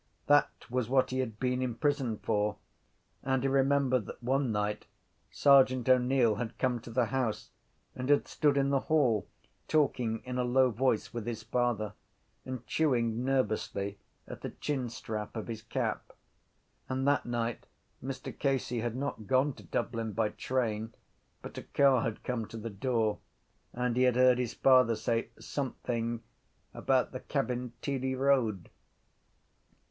That was what he had been in prison for and he remembered that one night Sergeant O’Neill had come to the house and had stood in the hall, talking in a low voice with his father and chewing nervously at the chinstrap of his cap. And that night Mr Casey had not gone to Dublin by train but a car had come to the door and he had heard his father say something about the Cabinteely road.